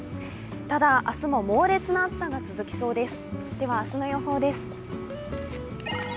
ただ、明日も猛烈な暑さが続きそうです。